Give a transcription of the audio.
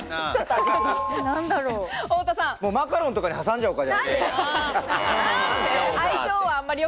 マカロンとかに挟んじゃおっか。